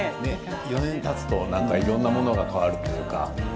４年たつといろいろなものが変わるというか。